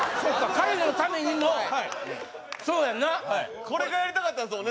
彼のためにもそうやんなこれがやりたかったんですもんね